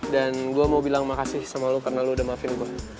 dan gue mau bilang makasih sama lo karena lo udah maafin gue